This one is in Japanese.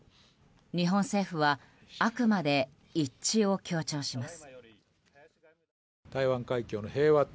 日本政府はあくまで一致を強調します。